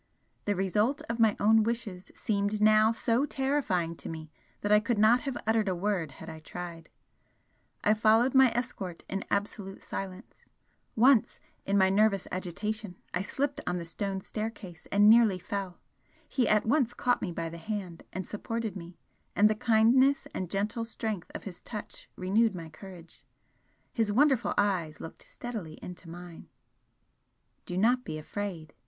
The result of my own wishes seemed now so terrifying to me that I could not have uttered a word had I tried, I followed my escort in absolute silence; once in my nervous agitation I slipped on the stone staircase and nearly fell, he at once caught me by the hand and supported me, and the kindness and gentle strength of his touch renewed my courage. His wonderful eyes looked steadily into mine. "Do not be afraid!"